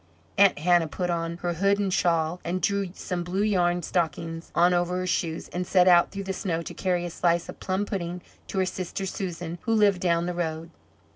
Aunt Hannah put on her hood and shawl, and drew some blue yarn stockings on over her shoes, and set out through the snow to carry a slice of plum pudding to her sister Susan, who lived down the road.